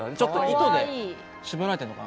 糸で縛られてるのかな。